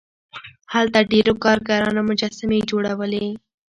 هلته ډیرو کارګرانو مجسمې جوړولې.